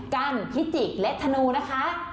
กันพิจิกและธนูนะคะ